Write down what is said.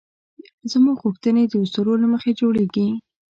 زموږ غوښتنې د اسطورو له مخې جوړېږي.